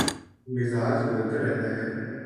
مزاج بدلتا رہتا ہے